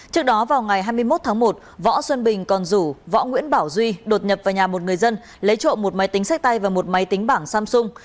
trước đó vào ngày hai mươi một tháng một võ xuân bình còn rủ võ nguyễn bảo duy đột nhập vào nhà một người dân lấy trộm một máy tính sách tay và một máy tính bảng samsung